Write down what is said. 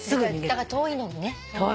だから遠いのね。